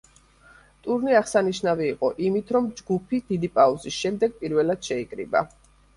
ტურნე აღსანიშნავი იყო იმით, რომ ჯგუფი, დიდი პაუზის შემდეგ პირველად შეიკრიბა.